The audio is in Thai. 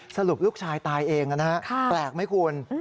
สรุปลูกชายตายเองนะฮะแปลกไหมคุณ